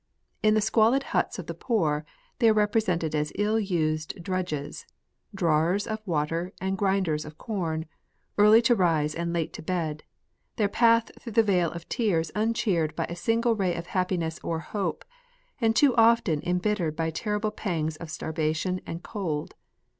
In the squalid huts of the poor, they are represented as ill used drudges, drawers of water and grinders of corn, early to rise and late to bed, their path through the vale of tears uncheered by a single ray of happiness or hope, and too often embittered by terrible pangs of starvation and cold.